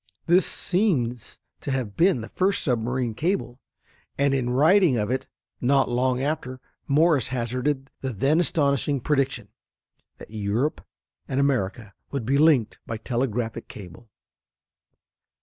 This seems to have been the first submarine cable, and in writing of it not long after Morse hazarded the then astonishing prediction that Europe and America would be linked by telegraphic cable.